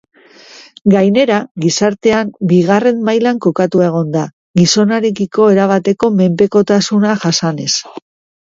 Gainera, gizartean bigarren mailan kokatuta egon da, gizonarekiko erabateko menpekotasuna jasanez.